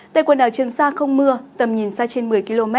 tại quần đảo trường sa không mưa tầm nhìn xa trên một mươi km